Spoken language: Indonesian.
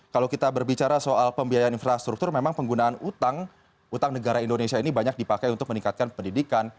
kalau kita berbicara soal pembiayaan infrastruktur memang penggunaan utang negara indonesia ini banyak dipakai untuk meningkatkan pendidikan